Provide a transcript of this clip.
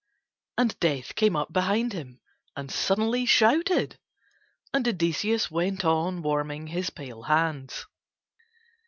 And Death came up behind him, and suddenly shouted. And Odysseus went on warming his pale hands.